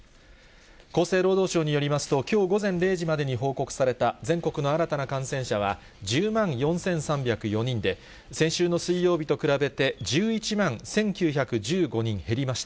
厚生労働省によりますと、きょう午前０時までに報告された全国の新たな感染者は、１０万４３０４人で、先週の水曜日と比べて、１１万１９１５人減りました。